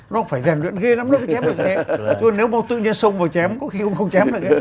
nó phải rèn luyện ghê lắm nó mới chém được thế nếu mà tự nhiên xông vào chém có khi cũng không chém được thế